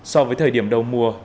so với thời điểm đầu mùa